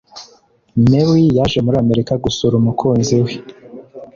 Mary yaje muri Amerika gusura umukunzi we